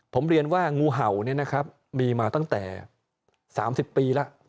ผมเรียนว่างูเห่าเนี่ยนะครับมีมาตั้งแต่๓๐ปีแล้ว